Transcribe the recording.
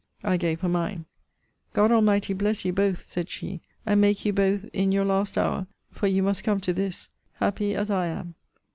I gave her mine. God Almighty bless you both, said she, and make you both in your last hour for you must come to this happy as I am.